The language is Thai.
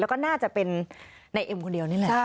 แล้วก็น่าจะเป็นนายเอ็มคนเดียวนี่แหละ